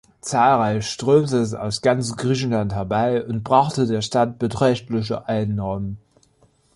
Zahlreich strömte es aus ganz Griechenland herbei und brachte der Stadt beträchtliche Einnahmen.